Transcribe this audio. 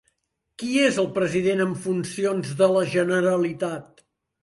Qui és el president en funcions de la Generalitat?